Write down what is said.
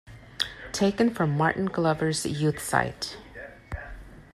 Taken from Martin Glover's Youth site.